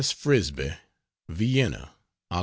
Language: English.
Frisbie VIENNA, Oct.